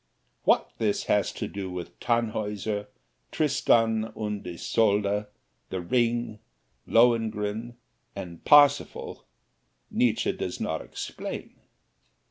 What this has to do with Tannhauser, Tristan and Isolde, the Ring, Lohengrin, and Parsifal, Nietzsche does not explain.